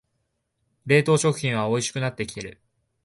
冷凍食品はおいしくなってきてる